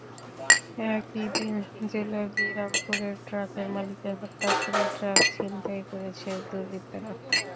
একই দিন জেলার বিরামপুরে ট্রাকের মালিককে হত্যা করে ট্রাক ছিনতাই করেছে দুর্বৃত্তরা।